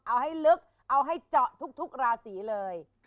เอาให้ลึกเอาให้เจาะทุกราศีเลย